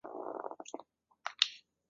长冠鼠尾草为唇形科鼠尾草属的植物。